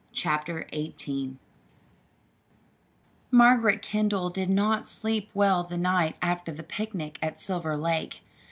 CHAPTER XVIII Margaret Kendall did not sleep well the night after the picnic at Silver Lake.